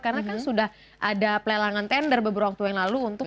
karena kan sudah ada pelelangan tender beberapa waktu yang lalu untuk